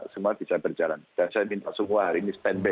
semua bisa berjalan dan saya minta semua hari ini stand by